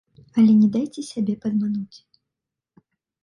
Але не дайце сябе падмануць.